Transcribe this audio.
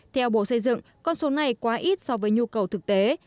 theo bộ xây dựng con số này quá ít so với nhu cầu thực tế